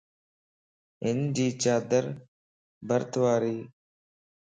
ھنجي چادر برت واريَ